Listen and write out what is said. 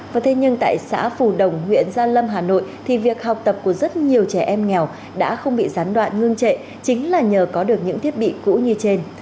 và thế nhưng tại xã phù đồng huyện gia lâm hà nội thì việc học tập của rất nhiều trẻ em nghèo đã không bị gián đoạn ngưng trệ chính là nhờ có được những thiết bị cũ như trên